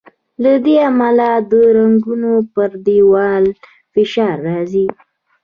له دې امله د رګونو پر دیوال فشار راځي.